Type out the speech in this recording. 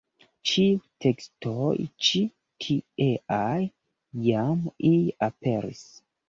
Ĉiuj tekstoj ĉi-tieaj jam ie aperis.